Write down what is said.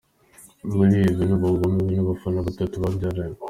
Mr Ibu n’umugore we n’abana batatu babyaranye.